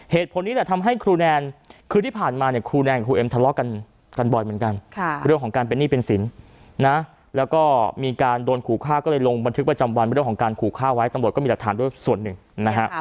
เหตุผลนี้แหละทำให้ครูแนนคือที่ผ่านมาเนี่ยครูแนนกับครูเอ็มทะเลาะกันบ่อยเหมือนกันเรื่องของการเป็นหนี้เป็นสินนะแล้วก็มีการโดนขู่ฆ่าก็เลยลงบันทึกประจำวันเรื่องของการขู่ฆ่าไว้ตำรวจก็มีหลักฐานด้วยส่วนหนึ่งนะฮะ